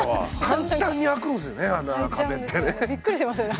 簡単に開くんすよね